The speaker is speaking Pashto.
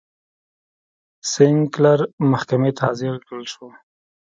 سینکلر محکمې ته حاضر کړل شو.